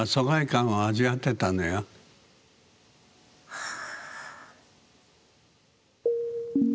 はあ。